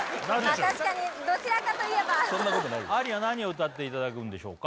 確かにどちらかといえばそんなことないあーりんは何を歌っていただくんでしょうか